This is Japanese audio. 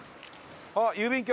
あっ郵便局！